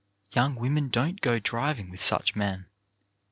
Young women, don't go driving with such men.